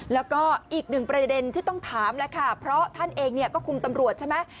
แล้วก็อีกหนึ่งประเด็นที่ต้องถามแล้วค่ะเพราะท่านเองเนี่ยก็คุมตำรวจใช่ไหม